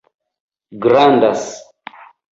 grandas